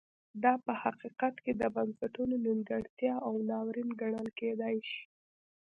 دا په حقیقت کې د بنسټونو نیمګړتیا او ناورین ګڼل کېدای شي.